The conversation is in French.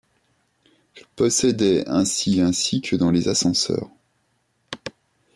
L' possédait ainsi ainsi que dans les ascenseurs.